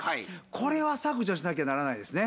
これは削除しなきゃならないですね。